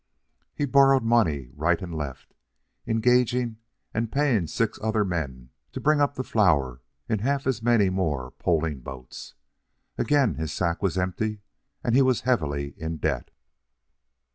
He borrowed money right and left, engaging and paying six other men to bring up the flour in half as many more poling boats. Again his sack was empty, and he was heavily in debt.